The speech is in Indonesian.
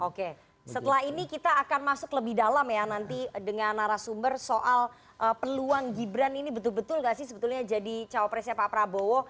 oke setelah ini kita akan masuk lebih dalam ya nanti dengan narasumber soal peluang gibran ini betul betul gak sih sebetulnya jadi cawapresnya pak prabowo